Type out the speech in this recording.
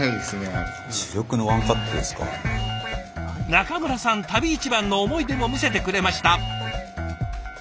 中村さん旅一番の思い出も見せてくれました。